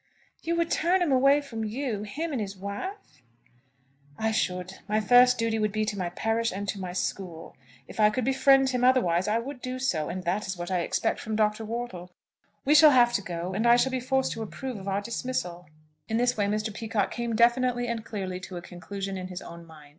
"You would turn him away from you; him and his wife?" "I should. My first duty would be to my parish and to my school. If I could befriend him otherwise I would do so; and that is what I expect from Dr. Wortle. We shall have to go, and I shall be forced to approve of our dismissal." In this way Mr. Peacocke came definitely and clearly to a conclusion in his own mind.